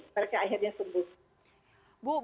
mereka akhirnya sembuh